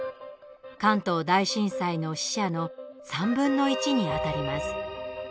関東大震災の死者の３分の１にあたります。